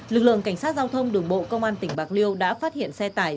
lực lượng cảnh sát giao thông đường bộ công an tỉnh bạc liêu đã phát hiện xe tải